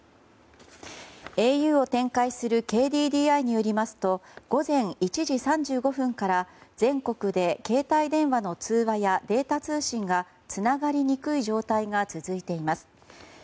ａｕを展開するＫＤＤＩによりますと午前１時３５分から全国で携帯電話の通話やデータ通信がつながりにくい状態が続いています。